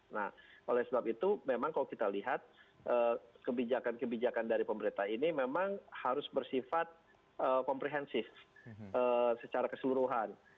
nah oleh sebab itu memang kalau kita lihat kebijakan kebijakan dari pemerintah ini memang harus bersifat komprehensif secara keseluruhan